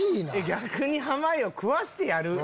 逆に濱家を食わしてやる。